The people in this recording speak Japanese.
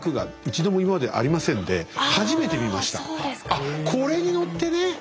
あっこれに乗ってね。